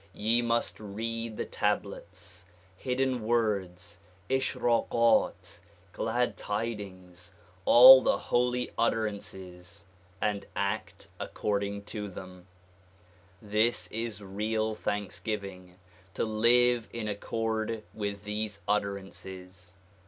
Ye must read the tablets, — Hidden Words, — Ishrakhat, — Glad Tidings — all the holy utter ances, and act according to them. This is real thanksgiving, to live in accord with these utterances.